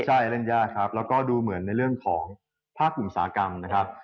ใช่เล่นยากครับแล้วก็ดูเหมือนในเรื่องของภาคอุตสาหกรรมนะครับ